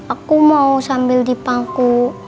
aku mau sambil dipangku